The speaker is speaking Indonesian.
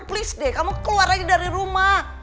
please deh kamu keluar lagi dari rumah